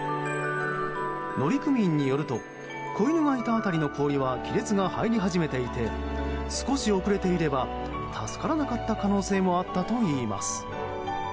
乗組員によると子犬がいた辺りの氷は亀裂が入り始めていて少し遅れていれば助からなかった可能性もあったといいます。